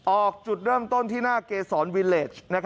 ออกจุดเริ่มต้นที่หน้าเกษรวิเลส